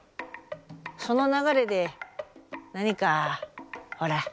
その流れで何かほら。